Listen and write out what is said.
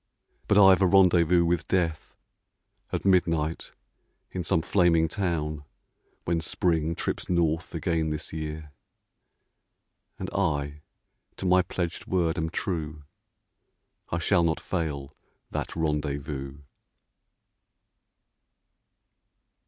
. But I've a rendezvous with Death At midnight in some flaming town, When Spring trips north again this year, And I to my pledged word am true, I shall not fail that rendezvous.